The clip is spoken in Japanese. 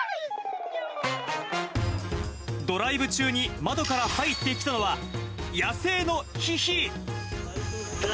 ドライブ中に窓から入ってきたのは、野生のヒヒ。